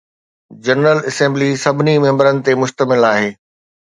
general assembly سڀني ميمبرن تي مشتمل آهي